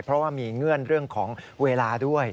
เพราะว่ามีเงื่อนเรื่องของเวลาด้วย